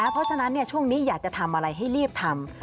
เพราะฉะนั้นช่วงนี้อยากจะทำอะไรให้รีบทำ